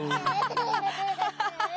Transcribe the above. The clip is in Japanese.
アハハハハ！